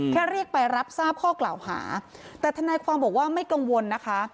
แค่เรียกไปรับทราบข้อกล่าวหาแต่ทนายความบอกว่าไม่กังวลนะคะ